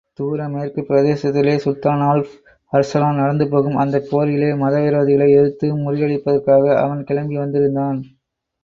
தூரமேற்குப் பிரதேசத்திலே, சுல்தான் Alp Arslan நடத்தப்போகும், அந்தப் போரிலே, மதவிரோதிகளை எதிர்த்து முறியடிப்பதற்காக அவன் கிளம்பி வந்திருந்தான்.